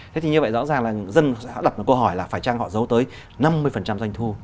thế thì như vậy rõ ràng là dân sẽ đặt một câu hỏi là phải chăng họ giấu tới năm mươi doanh thu